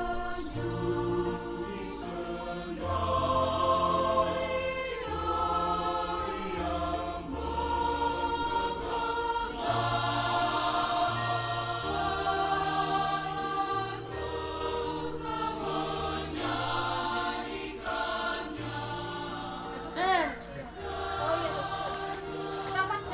lampu lampu suki senang